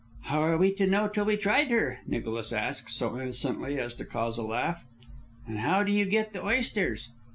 "How were we to know till we tried her?" Nicholas asked, so innocently as to cause a laugh. "And how do you get the oysters?"